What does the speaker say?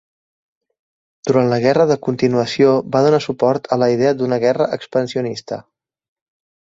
Durant la Guerra de Continuació va donar suport a la idea d'una guerra expansionista.